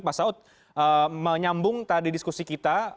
pak saud menyambung tadi diskusi kita